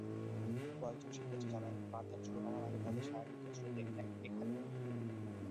কয়েকজন শিক্ষার্থী জানায়, পাঠদান শুরু হওয়ার আগে তাদের শারীরিক কসরত এখানে হতো।